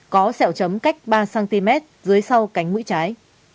có sẹo chấm cách ba cm dưới sau cánh mũi trái